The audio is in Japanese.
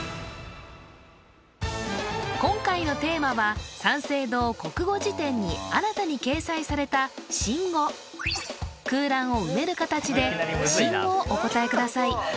今回のテーマは三省堂国語辞典に新たに掲載された新語空欄を埋める形で新語をお答えください